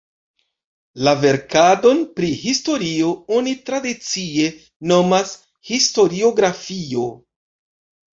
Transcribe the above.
La verkadon pri historio oni tradicie nomas historiografio.